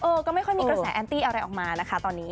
ก็ไม่ค่อยมีกระแสแอนตี้อะไรออกมานะคะตอนนี้